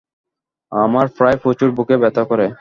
আমার প্রায়ই প্রচুর বুকে ব্যথা করে।